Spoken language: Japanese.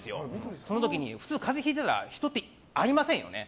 その時に普通、風邪ひいてたら人って会いませんよね。